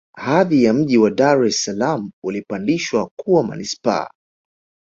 hadhi ya mji wa dar es salaam ulipandishwa kuwa manispaa